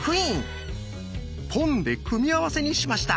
「ポン」で組み合わせにしました。